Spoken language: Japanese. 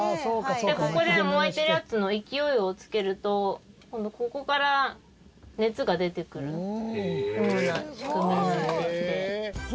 ここで燃えてるやつの勢いをつけると今度ここから熱が出てくるような仕組みになっていて。